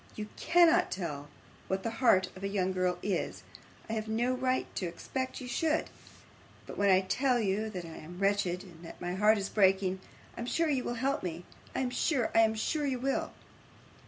You cannot tell what the heart of a young girl is I have no right to expect you should; but when I tell you that I am wretched, and that my heart is breaking, I am sure you will help me. I am sure, I am sure you will!